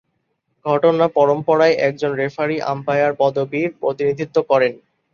ঘটনা পরম্পরায় একজন রেফারী আম্পায়ার পদবীর প্রতিনিধিত্ব করেন।